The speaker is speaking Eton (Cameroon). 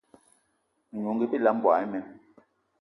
Menungi bilam, mboigi imen